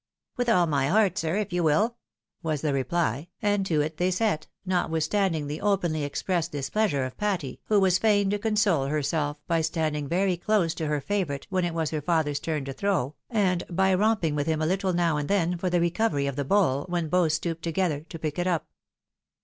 "" With all my heart, sir, if you wUl," was the reply, and to it they set, notwithstanding the openly expressed displeasure of Patty, who was fain to console herself by standing very close to her favourite when it was her father's turn to throw, and by romping with him a little now and then for the recovery of the bowl, when both stooped together to pick it up.